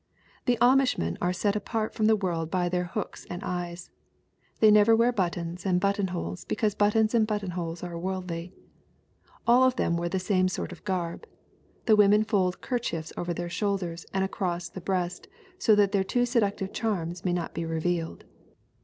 "The Amishmen are set apart from the world by their hooks and eyes. They never wear buttons and buttonholes because buttons and buttonholes are world ly. All of them wear the same sort of garb. The women fold kerchiefs over their shoulders and across the breast that their too seductive charms may not be revealed.